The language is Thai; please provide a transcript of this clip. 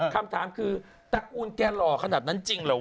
คำถามคือตระกูลแกหล่อขนาดนั้นจริงเหรอว